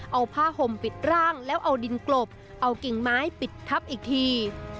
เอาผ้าห่มปิดร่างแล้วเอาดินกลบเอากิ่งไม้ปิดทับอีกที